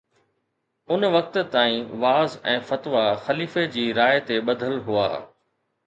ان وقت تائين وعظ ۽ فتوا خليفي جي راءِ تي ٻڌل هئا